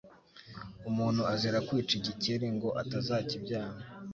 Umuntu azira kwica Igikeri, ngo atazakibyara